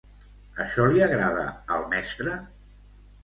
Això li agrada al mestre?